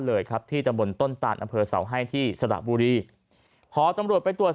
เลยครับที่ตำบลต้นตานอำเภอเสาให้ที่สระบุรีพอตำรวจไปตรวจ